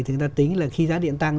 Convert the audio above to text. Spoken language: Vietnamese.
thì người ta tính là khi giá điện tăng